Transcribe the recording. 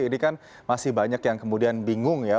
ini kan masih banyak yang kemudian bingung ya